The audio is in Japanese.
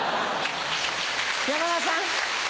山田さん？